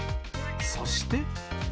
そして。